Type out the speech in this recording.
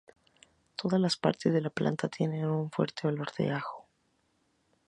Todas las partes de la planta tienen un fuerte olor de ajo.